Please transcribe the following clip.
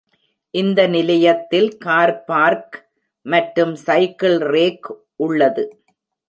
இந்த நிலையத்தில் car park மற்றும் சைக்கிள் ரேக் உள்ளது.